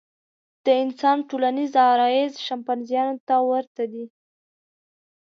د انسان ټولنیز غرایز شامپانزیانو ته ورته دي.